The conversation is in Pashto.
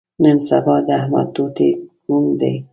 نن سبا د احمد توتي ګونګ دی.